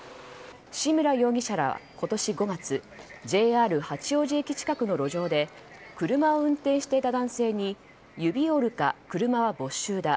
志村容疑者らは今年５月ＪＲ八王子駅近くの路上で車を運転していた男性に指折るか、車は没収だ。